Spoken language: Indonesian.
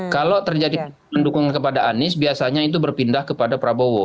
kalau terjadi penurunan dukungan kepada anies biasanya itu berpindah kepada prabowo